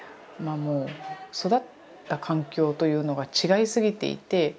育った環境というのが違いすぎていて。